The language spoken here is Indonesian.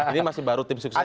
ini masih baru tim sukses